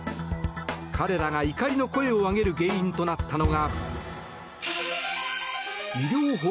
彼らが怒りの声を上げる原因となったのが。